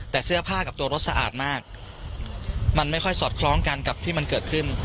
แต่เสื้อผ้ากับตัวรถสะอาดมากมันไม่ค่อยสอดคล้องกันกับที่มันเกิดขึ้น